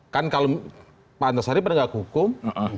kan kalau pak antasari penegak hukum